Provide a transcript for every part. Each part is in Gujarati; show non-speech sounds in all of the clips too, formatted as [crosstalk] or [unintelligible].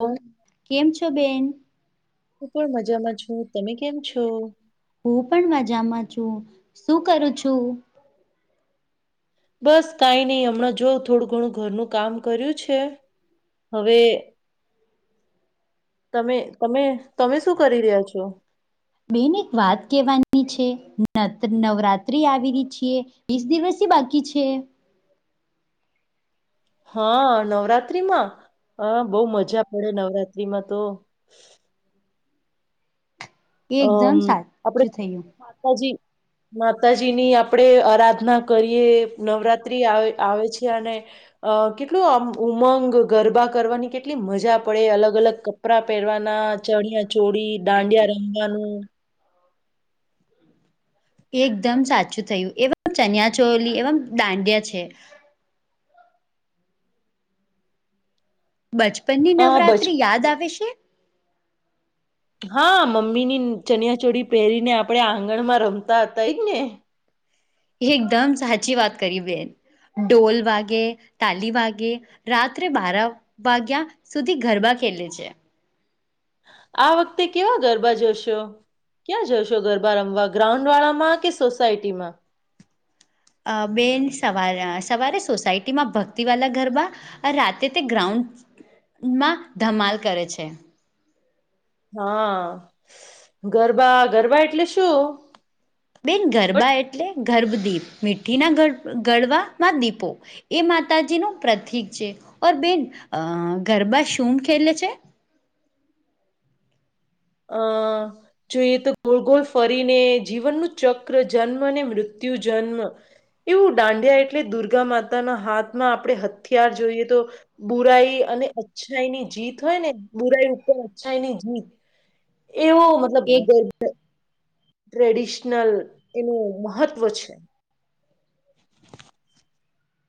હું કેમ છો બેન? હું પણ મજામાં છું. તમે કેમ છો? હું પણ મજામાં છું. શું કરો છો? બસ કાંઈ નહીં. હમણાં જો થોડું ઘણું ઘરનું કામ કર્યું છે, હવે તમે-તમે-તમે શું કરી રહ્યા છો? બેન એક વાત કેવાની છે, ન નવરાત્ર્રી આવી છીએ. વીસ દિવસથી બાકી છે. હા નવરાત્રીમાં હ બહ મજા પડે નવરાત્રી આમાં તો. એકદમ અમ આપણે સાચું થયું. માતાજી માતાજી ની આપણેે આરાધના કરીએ નવરાત્ર્રી આવે આવે છે અને અ કેટલુ મ ઉમંગ ગરબા કરવાની કેટલી મજા પડે અલગ અલગ કપડા ચોરી દાંડિયા રમવાનું. એકદમ સાચું થયું એ ચનિયાચોલી એવમ દાંડિયા છે. બચપન ની અ બચ નવરાત્રી યાદ આવે છે? હા મમ્મી ની ચનિયા ચોળી પહેરીને આપણેે આંગણ માં રમતા હતા જ ને? એકદમ સાચી કરી બેન. ડઢોલ વાગે, તાલી વાગે, રાત્રે બારા વાાગ્યા સુધી, ગરબા ખેલે છે. આ વખતે કેવા ગરબા જોશો? ક્યાં જશો ગરબા રમવા ગ્રાઉન્ડ વાળામાં કે સોસાયટીમાં? અ બેન સવાર સોસાયટીમાં ગરબા. રાતે તે ગ્રાઉન્ડમાં ધમાલ કરે છે. હા, ગરબા ગરબા એટલે શું? બેન ગરબા એટલે ગર્ભદીપ મીઠી ના ગરબામાં દીપો. એ માતાજીનું પ્રતિક છે, ઓર બેન ગરબા શું ખેલે છે? હા. જોઈએ તો ગોળ ગોલ ફરીને જીવનનું ચક્ર જન્મ અને મૃત્યુ-જન્મ. એવું દાંડિયા એટલે દુર્ગા માતાના હાથમાં આપણે હથિયાર જોઈએ તો બુરાઈ અને અચ્છાઈની જીત હોય ને બુરાઈ ઉપર અચ્છાઈની જીત. એવો મતલબ એક ટ્રેડિશનલ એનું મહત્વ છે.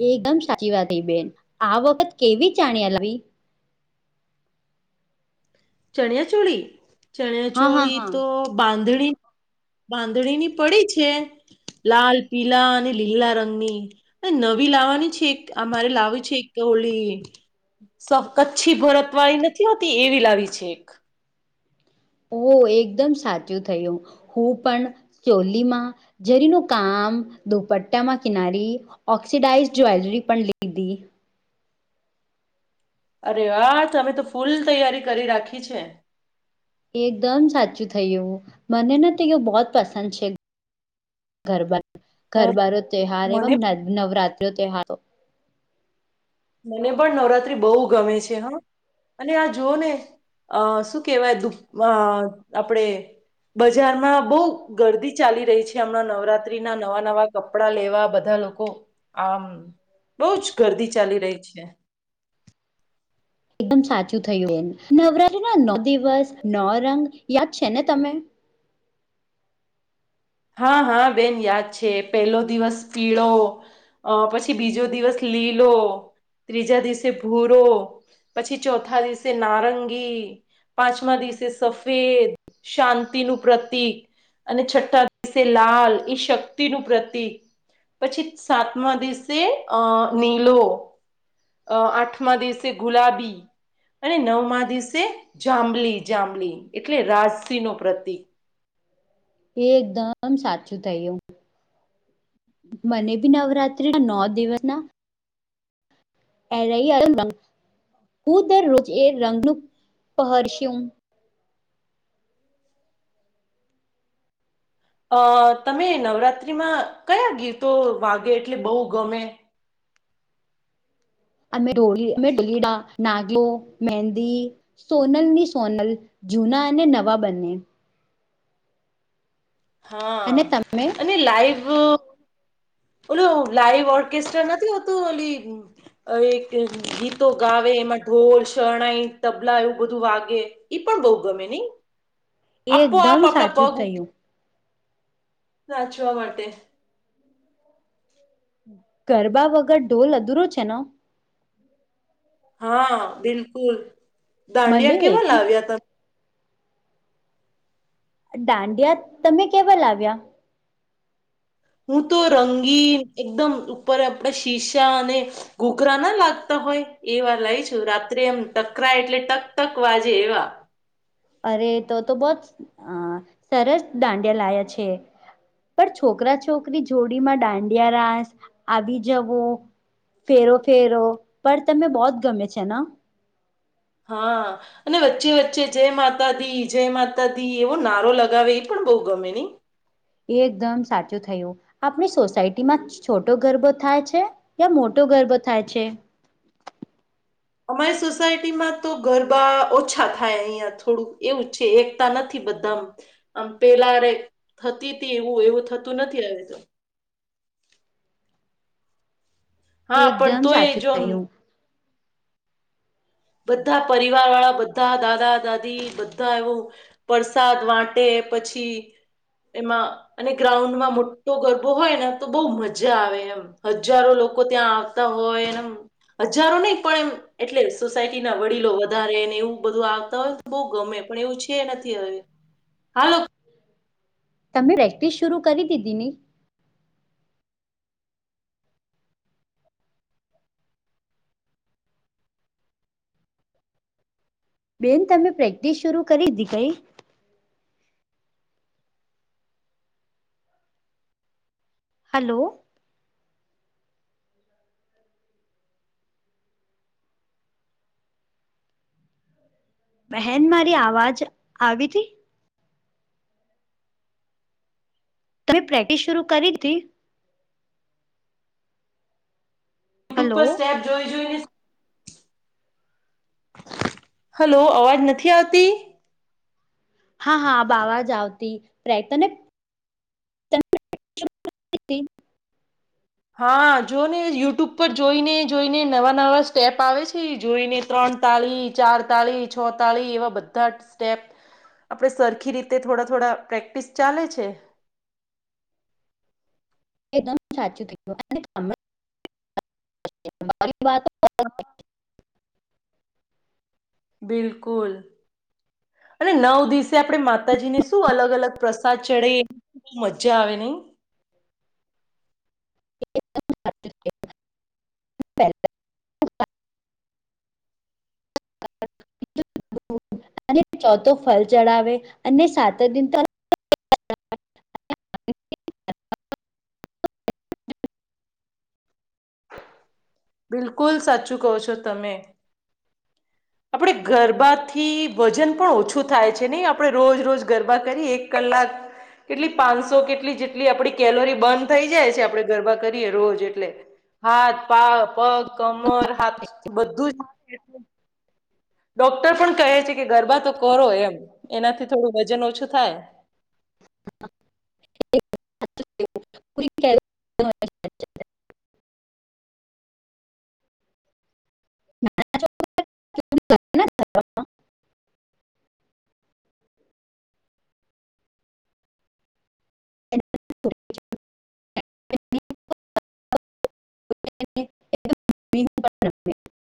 એકદમ સાચી વાત થઈ બેન આ વખત કેવી જાણ્યા લવી? ચણિયાચોળી હા હા ચણિયાચોળી હા તો બાંધણી બાંધણીની પડી છે, લાલ પીલા અને લીલા રંગની. નવી લાવવાની છે એક અમારે લાવું છે એક હોળી. કચ્છી ભરત વાળી નથી હોતી એવી લાવી છે એક. ઓ સાચું થયું, હું પણ ચોલીમાં જરીનું કામ દુપટ્ટામાં કિનારી ઓક્સિડાઝ જ્વેલરી પણ લીધી. અરે હા તમે તો ફૂલ તૈયારી કરી રાખી છે. એકદમ થયયું ને, તો બહુંત પસંદ છે. રબ નવ- ઘરબારો તહાર એ મને નવરાત્રી તાર મને પણ નવરાત્રી બહુ ગમે છે હા. આ જુઓ ને અ શું આપણેે બજારમાં બહુ ગરદી ચાલી રહી છે હમણાં નવરાત્રી ના નવા-નવા કપડા લેવા બધા લોકો આમ બહુ જ ગર્દી ચાલી રહી છે. એકદમ સાચું થયું એ નવરાત્રીના નવ દિવસ નો રંગ યાદ છે ને તમે? હા, હા બેન યાદ છે પેલો દિવસ પીળો. અ પછી બીજો દિવસ લીલો. ત્રીજા દિવસે ભૂરો, પછી ચોથા દિવસે નારંગી. પાંચમા દિવસે સફેદ શાંતિનું પ્રતીક અને છઠ્ઠા દિવસે લાલ એ શક્તિનું પ્રતીક પછી સાતમા દિવસે અ નીલો. અ આઠમા દિવસે ગુલાબી. અને નવમાં દિવસે જાંબલી, જાંબલી એટલે રાજસીહનો પ્રતિક. એકદમ સાચું થાય એવું. મને બી નવરાત્રીના નો દિવસના એર હું દરરોજ એ રંગનું પહરસુ અ તમે નવરાત્રીમાં કયા ગીતો વાગે એટલે બો ગમે. અમે ઢોળ ડોલીડા નાગલો. મેહદી સોનલની સોનલ જૂના અને નવા બંને. હા અને તમે અને લાઈવ ઓલું લાઈવ ઓર્કેસ્ટ્રા નથી હોતું ઓલી અ એક ગીતો ગાવે એમાં ઢોલ શરણાઈ, તબલા એવું બધું વાગે. ઈ પણ બો ગમે નય એ આપોઆપ એકદમ આપણા સાચું પગ ઊઠી થયું નાચવા માટે ગરબા વગર ઢોલ અધૂરો છે ન? હા, બિલકુલ મને દાંડિયા કેવા એથી લાવ્યા તમે. દાંડિયા તમે કેવા લાવ્યા? હું તો રંગીન એકદમ ઉપર આપડા શીશા અને ઘૂઘરા ના લાગતા હોય એવા લાઇ છું રાત્રે એમ ટકરાય એટલે ટક ટક વાજે એવા. અરે તો તો બો જ અ સરસ દાંડિયા લાયા છે. પણ છોકરા છોકરી જોડીમાં દાંડિયા રાસ આવી જવો ફેરો ફેરો પર તમે બોહત ગમે છે ન? હા. અને વચ્ચે વચ્ચે જય માતા દી, જય માતા દી એવો નારો લગાવે એ પણ બો ગમે ની. એકદમ સાચું થયું. આપણી સોસાયટીમાં છોટો ગરબો થાય છે, યા મોટો ગરબો થાય છે. અમારી સોસાયટીમાં તો ગરબા ઓછા થાય અહિયાં થોડું એવું છે એકતા નથી બધા માં. આમ પેલારે થતી તી એવું એવું થતું નથી અવે તો. એ હા પણ એકદમ તો એ સાચું જો મ થયું બધા પરિવાર વાળા બધા દાદા, દાદી બધા એવું વરસાદ વાંટે પછી એમાં અને ગ્રાઉન્ડમાં મોટો ગરબો હોય ને તો બો મજા આવે એમ. હજારો લોકો ત્યાં આવતા હોય અને હજારો નય પણ એમ એટલે. સોસાયટી ના વડીલો વધારે ને એવું બધું આવતા હોય તો બો ગમે પણ એવું છે નથી હવે. હાલો. તમે પ્રેક્ટિસ શરુ કરી દીધી ને? [inaudible] બેન તમે પ્રેક્ટિસ શરૂ કરી દીધી કય? હલો. બહેન મારી અવાજ આવી તી? તમે પ્રેક્ટિસ સુરૂ કરી દીધી? યુટ્યુબ હલો પર સ્ટેપ જોઈ-જોઈ ને હલો અવાજ નથી આવતી? હા હા આબ અવાજ આવતી ટ્રાય કરને. [unintelligible] હા, જો ને યુટ્યુબ પર જોઈને જોઈને નવા-નવા સ્ટેપ આવે છે, જોઈને. ત્રણ તાળી, ચાર તાળી, છ તાળી એવા બધા જ સ્ટેપ. આપણે સરખી રીતે થોડા થોડા પ્રેક્ટિસ ચાલે છે. એકદમ સાચું કીધું. [inaudible] હા. બિલકુલ. અને નવ દિવસે માતાજીને શું અલગ-અલગ પ્રસાદ ચડી. મજા આવે ની. [unintelligible] પહેલા [unintelligible] અને ચોથો ફલ ચડાવે અને સાત દિન તો. [unintelligible] બિલકુલ સાચું કહો છો, તમે. આપણે ગરબાથી વજન પણ ઓછું થાય છે, નહી આપણે રોજ રોજ ગરબા કરી એક કલાક કેટલી પાંચસો કેટલી જેટલી આપડી કેલોરી બન થઈ જાય છે, આપડે ગરબા કરીએ રોજ એટલે હાથ, પા પગ, કમર હાથ બધું જ એ ડોક્ટર પણ કહે છે કે ગરબા તો કરો એમ, એનાથી થોડું વજન ઓછું થાય. [inaudible] [inaudible] [unintelligible] [inaudible] [inaudible] [inaudible] [unintelligible]